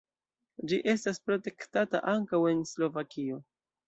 Ĝi estas protektata ankaŭ en Slovakio.